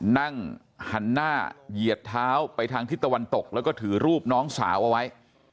นั่งหันหน้าเหยียดเท้าไปทางทิศตะวันตกแล้วก็ถือรูปน้องสาวเอาไว้